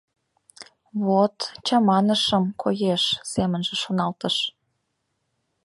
«Вот, чаманышым, коеш», — семынже шоналтыш.